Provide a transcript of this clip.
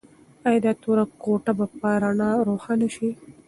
ایا دا توره کوټه به په رڼا روښانه شي؟